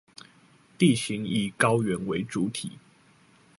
地形以高原為主體